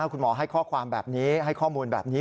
คุณหมอให้ข้อความแบบนี้ให้ข้อมูลแบบนี้